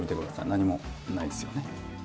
何もないですよね？